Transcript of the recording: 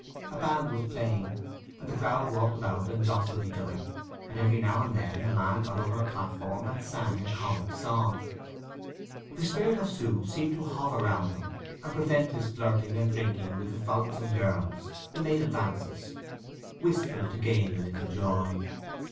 A band was playing, and the crowd walked about and jostled each other, and every now and then a man got upon a platform and sang a comic song. The spirit of Sue seemed to hover round him and prevent his flirting and drinking with the frolicsome girls who made advances—wistful to gain a little joy.